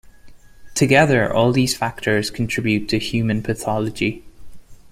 Together, all these factors contribute to human pathology.